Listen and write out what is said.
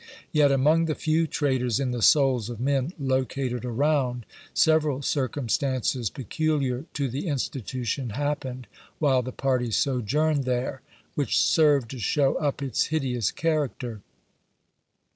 Yet, among the few traders in the souls of men located around, several circum stances peculiar to the institution happened while the party sojourned there, which serve to show up its hideous character.